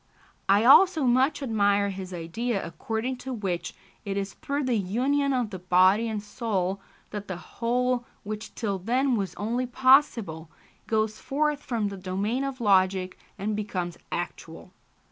I also much admire his idea according to which it is through the union of the body and soul that the whole, which till then was only possible, goes forth from the domain of logic and becomes actual.